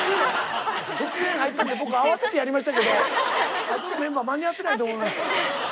突然入ったんで僕慌ててやりましたけどあとのメンバー間に合ってないと思います。